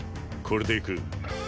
これでいく。